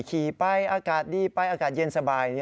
ขี่ไปอากาศดีไปอากาศเย็นสบาย